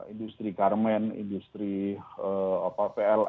industri karmen industri pls